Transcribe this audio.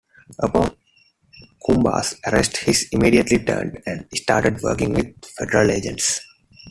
Upon Cumba's arrest, he immediately turned and started working with federal agents.